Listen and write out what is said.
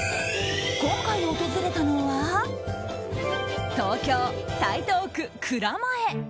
今回訪れたのは東京・台東区蔵前。